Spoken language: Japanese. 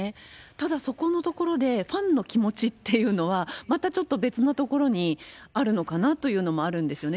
ただ、そこのところで、ファンの気持ちっていうのは、またちょっと別なところにあるのかなというのもあるんですよね。